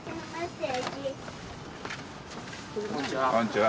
こんにちは。